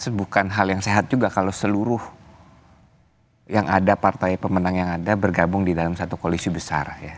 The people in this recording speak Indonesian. itu bukan hal yang sehat juga kalau seluruh yang ada partai pemenang yang ada bergabung di dalam satu koalisi besar ya